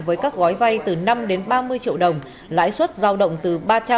với các gói vay từ năm ba mươi triệu đồng lãi suất giao động từ ba trăm linh ba trăm sáu mươi năm